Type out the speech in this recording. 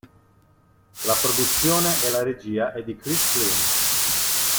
La produzione e la regia è di Chris Flynn.